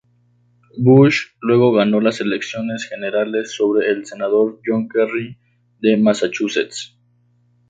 Bush luego ganó las elecciones generales sobre el Senador John Kerry de Massachusetts.